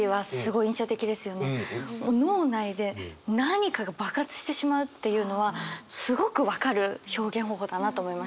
脳内で何かが爆発してしまうっていうのはすごく分かる表現方法だなと思いました。